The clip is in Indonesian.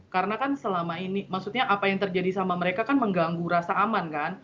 karena kan selama ini maksudnya apa yang terjadi sama mereka kan mengganggu rasa aman kan